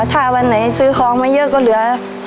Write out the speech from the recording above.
ถ้าวันไหนซื้อของมาเยอะก็เหลือ